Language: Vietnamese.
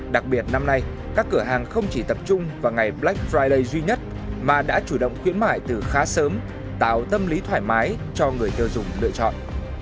đặc biệt năm nay các cửa hàng không chỉ tập trung vào ngày black friday duy nhất mà đã chủ động khuyến mại từ khá sớm tạo tâm lý thoải mái cho người tiêu dùng lựa chọn